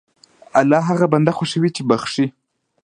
الله هغه بنده خوښوي چې بخښي.